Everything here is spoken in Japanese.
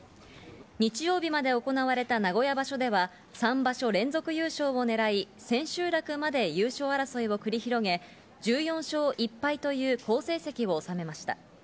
日曜日まで行われた名古屋場所では３場所連続優勝をねらい、千秋楽まで優勝争いを繰り広げ、１４勝１敗という好成績を収めました。